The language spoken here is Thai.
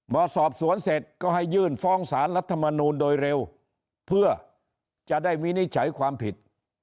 พอสอบสวนเสร็จก็ให้ยื่นฟ้องสารรัฐมนูลโดยเร็วเพื่อจะได้วินิจฉัยความผิด